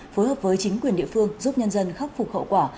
phối hợp với chính quyền địa phương giúp nhân dân khắc phục hậu quả